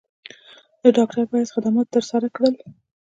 د ډاکټر پۀ حېث خدمات تر سره کړل ۔